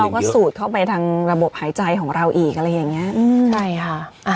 แล้วยังเยอะเราก็สูดเข้าไปทางระบบหายใจของเราอีกอะไรอย่างเงี้ยอืมใช่ค่ะ